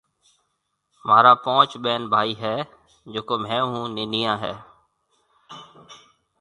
مهارا پونچ ٻين ڀائِي هيَ جيڪو مهيَ هون ننَييا هيَ